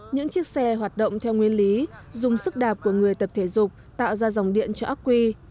những chiếc xe hoạt động theo nguyên lý dùng sức đạp của người tập thể dục tạo ra dòng điện cho ác quy